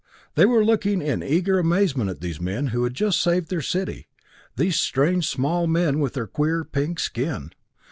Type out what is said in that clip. They were looking in eager amazement at these men who had just saved their city, these strange small men with their queer pink skin.